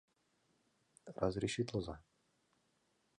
— Разрешитлыза?